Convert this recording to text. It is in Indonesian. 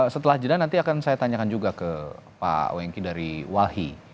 setelah jeda nanti akan saya tanyakan juga ke pak wengki dari walhi